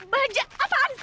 bajak apaan sih